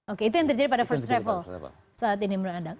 oke itu yang terjadi pada first travel saat ini menurut anda